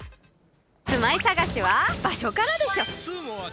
住まい探しは場所からでしょ。